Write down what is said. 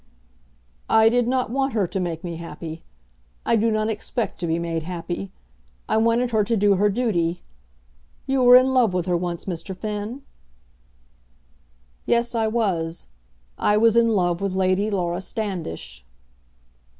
"I did not want her to make me happy. I do not expect to be made happy. I wanted her to do her duty. You were in love with her once, Mr. Finn?" "Yes, I was. I was in love with Lady Laura Standish."